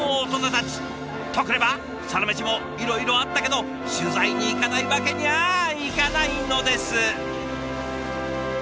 とくれば「サラメシ」もいろいろあったけど取材に行かないわけにゃいかないのです。